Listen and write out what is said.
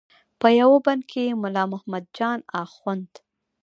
په یوه بند کې یې ملا محمد جان اخوند.